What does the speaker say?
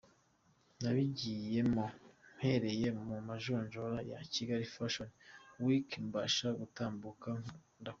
Nabigiyemo mpereye mu majonjora ya Kigali Fashion Week mbasha gutambuka ndakomeza.